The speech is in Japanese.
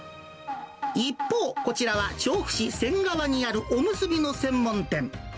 一方、こちらは調布市仙川にあるお結びの専門店。